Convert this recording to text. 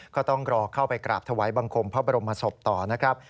ก็ต้องรอเข้าไปกราบถวายบังคมพระบรมศพต่อนะครับ